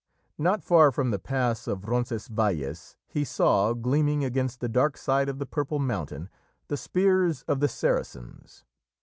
Not far from the pass of Roncesvalles he saw, gleaming against the dark side of the purple mountain, the spears of the Saracens.